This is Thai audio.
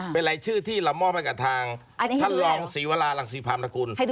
เป็นรายชื่อที่เรามอบให้กับทางท่านรองศรีวรารังศรีพามนกุล